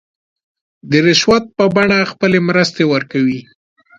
د رشوت په بڼه خپلې مرستې ورکوي.